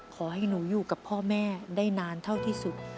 ขอให้หนูอยู่กับพ่อแม่ได้นานเท่าที่สุด